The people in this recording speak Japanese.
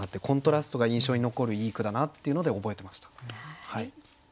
コントラストが印象に残るいい句だなっていうので覚えてました。